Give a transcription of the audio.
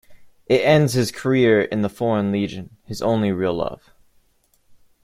It ends his career in the Foreign Legion, his only real love.